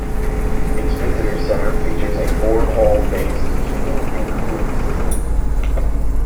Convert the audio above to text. Its visitor centre features a borehole-based heating and cooling system.